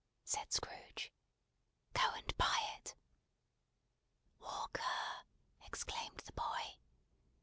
said Scrooge. "Go and buy it." "Walk ER!" exclaimed the boy.